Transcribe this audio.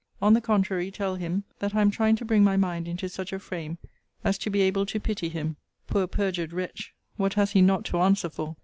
On the contrary, tell him, that I am trying to bring my mind into such a frame as to be able to pity him; [poor perjured wretch! what has he not to answer for!